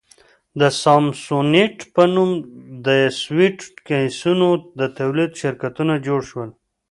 د سامسونیټ په نوم د سویټ کېسونو د تولید شرکتونه جوړ شول.